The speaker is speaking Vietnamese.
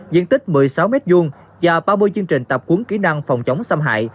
diện tích một mươi sáu m hai và ba mươi chương trình tập cuốn kỹ năng phòng chống xâm hại